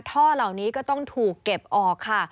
ท่อเหล่านี้ก็ต้องถูกเก็บออกค่ะ